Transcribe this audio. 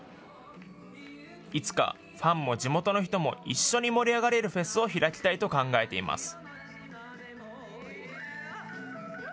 いつか、ファンも地元の人も一緒に盛り上がれるフェスを開きたいと考えています。